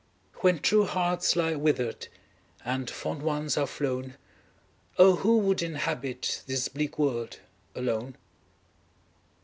When true hearts lie wither'd, And fond ones are flown, Oh ! who would inhabit This bleak world alone